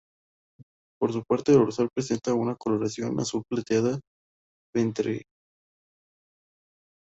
En su parte dorsal presenta una coloración azul plateada, ventralmente un azul pálido.